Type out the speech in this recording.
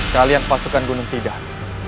kalian pasukan gunung tidak